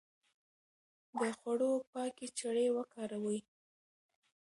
د خوړو پاکې چړې وکاروئ.